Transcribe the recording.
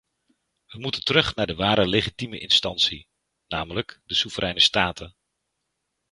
We moeten terug naar de ware legitieme instantie, namelijk de soevereine staten.